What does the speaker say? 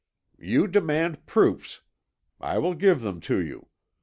"You demand proofs. I will give them to you.